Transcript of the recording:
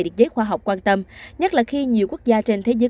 địch giấy khoa học quan tâm nhắc là khi nhiều quốc gia trên thế giới